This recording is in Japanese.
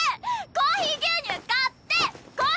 コーヒー牛乳買って！